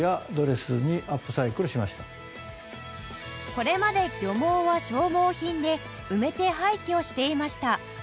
これまで漁網は消耗品で埋めて廃棄をしていました